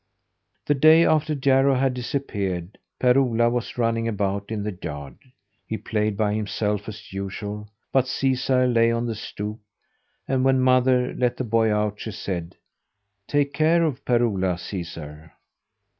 The day after Jarro had disappeared, Per Ola was running about in the yard. He played by himself as usual, but Caesar lay on the stoop; and when mother let the boy out, she said: "Take care of Per Ola, Caesar!"